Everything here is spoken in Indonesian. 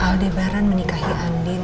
aldebaran menikahi andin